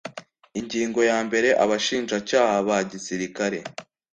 ingingo ya mbere abashinjacyaha ba gisirikare